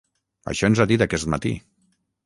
Això ens ha dit aquest matí.